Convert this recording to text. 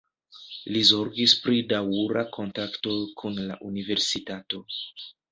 Li zorgis pri daŭra kontakto kun la Universitato.